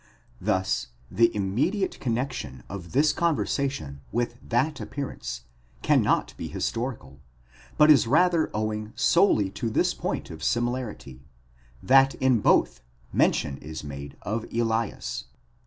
§ Thus the immediate connexion of this conversation with that appearance cannot be historical, but is rather owing solely to this point of similarity ;— that in both mention is made of Elias.?